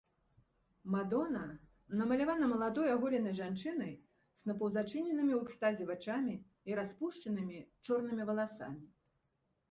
Мадонна намалявана маладой аголенай жанчынай з напаўзачыненымі ў экстазе вачамі і распушчанымі чорнымі валасамі.